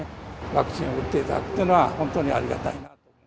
ワクチンを打っていただくっていうのは、本当にありがたい。